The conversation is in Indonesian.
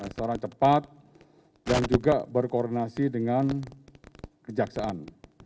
secara cepat dan juga berkoordinasi dengan kejaksaan